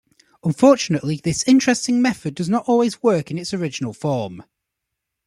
Unfortunately this interesting method does not always work in its original form.